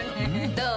どう？